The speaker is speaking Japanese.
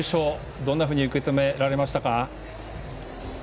どんなふうに受け止められましたか？